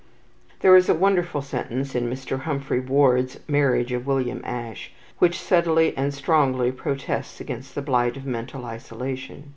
There is a wonderful sentence in Mrs. Humphry Ward's "Marriage of William Ashe," which subtly and strongly protests against the blight of mental isolation.